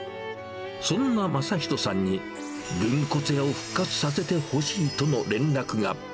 そんな匡人さんに、げんこつ屋を復活させてほしいとの連絡が。